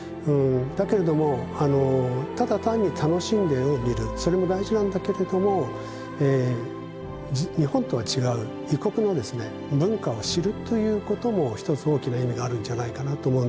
だけれどもただ単に楽しんで絵を見るそれも大事なんだけれどもということも一つ大きな意味があるんじゃないかなと思うんですよね。